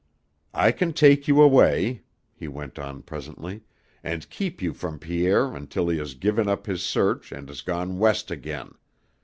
"I can take you away," he went on presently, "and keep you from Pierre until he has given up his search and has gone West again.